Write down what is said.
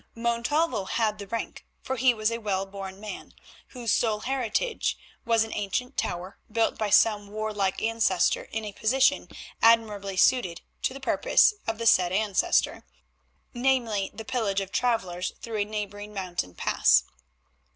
Montalvo had the rank, for he was a well born man, whose sole heritage was an ancient tower built by some warlike ancestor in a position admirably suited to the purpose of the said ancestor, namely, the pillage of travellers through a neighbouring mountain pass.